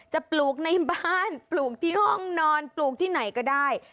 ปลูกในบ้านปลูกที่ห้องนอนปลูกที่ไหนก็ได้